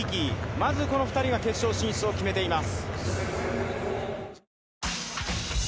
まずこの２人が決勝進出を決めています。